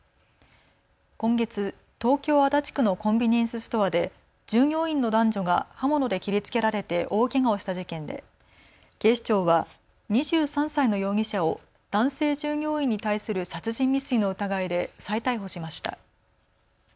今月、東京足立区のコンビニエンスストアで従業員の男女が刃物で切りつけられて大けがをした事件で警視庁は２３歳の容疑者を男性従業員に対する殺人未遂の疑いで再逮捕しました。